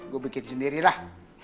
gue bikin sendirilah